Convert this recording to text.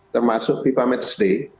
termasuk fifa matchday